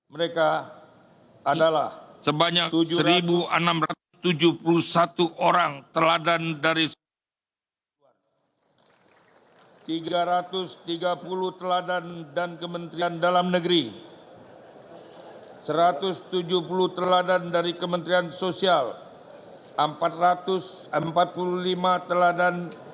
menampilkan putra putri terbaik kita